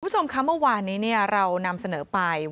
คุณผู้ชมคะเมื่อวานนี้เรานำเสนอไป